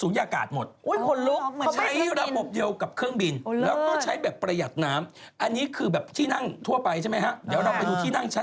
แล้วก็ใช้แบบประหยัดน้ำอันนี้คือที่นั่งทั่วไปใช่มั้ยฮะ